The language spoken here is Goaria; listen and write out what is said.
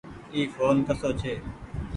اي ڦون ڪسو ڇي۔